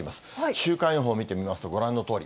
週間予報見てみますと、ご覧のとおり。